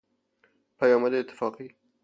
پیامد اتفاقی